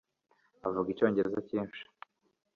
avuga icyongereza cyinshi